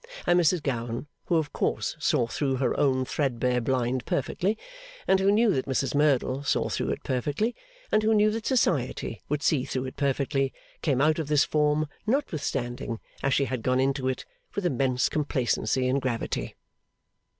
And Mrs Gowan, who of course saw through her own threadbare blind perfectly, and who knew that Mrs Merdle saw through it perfectly, and who knew that Society would see through it perfectly, came out of this form, notwithstanding, as she had gone into it, with immense complacency and gravity.